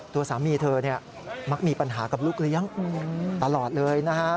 ตัวสามีเธอเนี่ยมักมีปัญหากับลูกเลี้ยงตลอดเลยนะฮะ